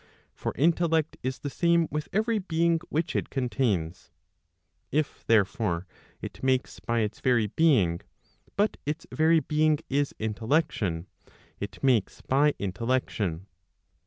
For intellect is the same with every being which it contains. If therefore, it makes by its very being, but its very being is intellection, it makes by intellection.